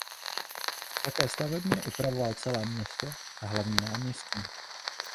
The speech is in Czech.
Také stavebně upravoval celé město a hlavně náměstí.